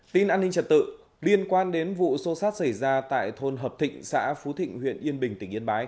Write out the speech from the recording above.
tin an ninh trật tự liên quan đến vụ xô xát xảy ra tại thôn hợp thịnh xã phú thịnh huyện yên bình tỉnh yên bái